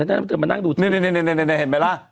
เดินเมื่อนี่เห็นไหมล่ะ